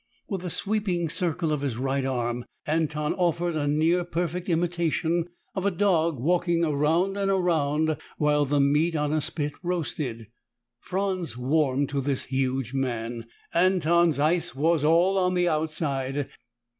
With a sweeping circle of his right arm, Anton offered a near perfect imitation of a dog walking around and around while the meat on a spit roasted. Franz warmed to this huge man. Anton's ice was all on the outside.